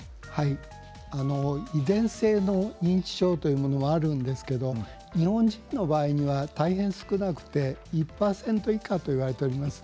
遺伝性の認知症というものはあるんですけれども日本人の場合には大変、少なくて１％以下といわれております。